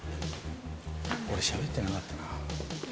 俺しゃべってなかったな。